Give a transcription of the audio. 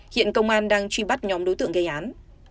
hiện công an đang truy bắt nhóm đối tượng gây án